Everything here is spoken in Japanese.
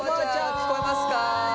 聞こえますか？